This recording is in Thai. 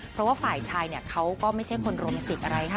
เพราะว่าฝ่ายชายเขาก็ไม่ใช่คนโรแมนติกอะไรค่ะ